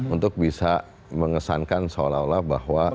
untuk bisa mengesankan seolah olah bahwa